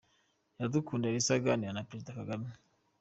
Iradukunda Elsa aganira na Perezida Kagame .